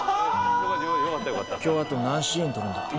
今日あと何シーン撮るんだっけ？